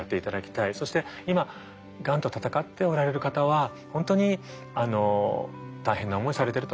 そして今がんと闘っておられる方は本当に大変な思いされてると思うんです。